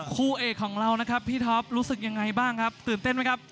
คู่เอกของเรานะครับพี่ท็อปรู้สึกยังไงบ้างครับตื่นเต้นไหมครับ